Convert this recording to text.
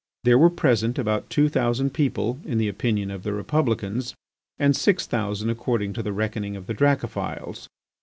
There were present about two thousand people, in the opinion of the Republicans, and six thousand according to the reckoning of the Dracophils.